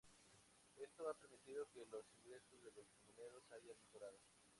Esto ha permitido que los ingresos de los comuneros hayan mejorado.